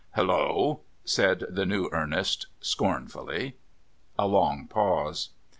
"Hallo!" said the new Ernest scornfully. A long pause.